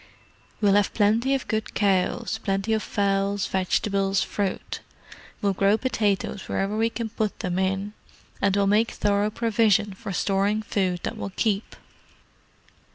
We'll have plenty of good cows, plenty of fowls, vegetables, fruit; we'll grow potatoes wherever we can put them in, and we'll make thorough provision for storing food that will keep."